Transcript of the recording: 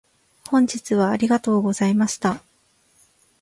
本日はありがとうございました。